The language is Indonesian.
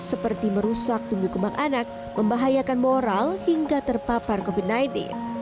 seperti merusak tumbuh kembang anak membahayakan moral hingga terpapar covid sembilan belas